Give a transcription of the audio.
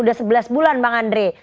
sudah sebelas bulan bang andre